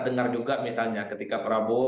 dengar juga misalnya ketika prabowo